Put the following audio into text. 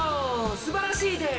すばらしいです！